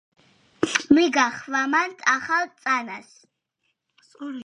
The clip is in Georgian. მიგახვამანთ ახალ წანას